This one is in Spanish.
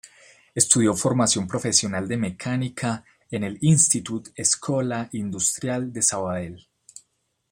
Estudió Formación Profesional de mecánica en el Institut Escola Industrial de Sabadell.